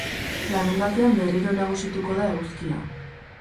Larunbatean berriro nagusituko da eguzkia.